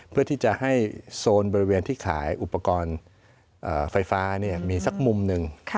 เพื่อที่จะให้โซนบริเวณที่ขายอุปกรณ์ไฟฟ้ามีสักมุมหนึ่ง